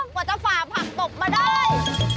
กว่าจะฝากพักตกมาได้